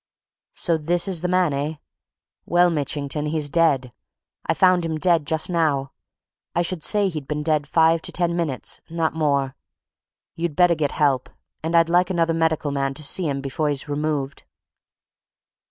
So this is the man, eh? Well, Mitchington, he's dead! I found him dead, just now. I should say he'd been dead five to ten minutes not more. You'd better get help and I'd like another medical man to see him before he's removed."